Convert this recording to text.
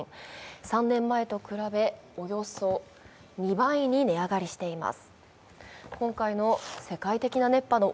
３年前と比べ、およそ２倍に値上がりしています。